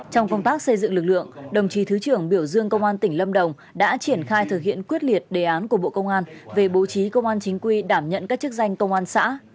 trong công tác xây dựng lực lượng đồng chí thứ trưởng biểu dương công an tỉnh lâm đồng đã triển khai thực hiện quyết liệt đề án của bộ công an về bố trí công an chính quy đảm nhận các chức danh công an xã